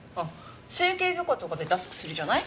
整形外科とかで出す薬じゃない？